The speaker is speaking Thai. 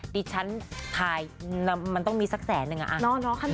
ที่ชั้นทางขังอะมันต้องมีสักแสนนะ